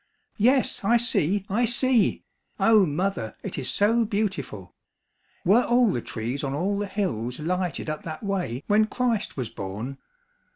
Yes, I see! I see! O mother, it is so beautiful! Were all the trees on all the hills lighted up that way when Christ was born?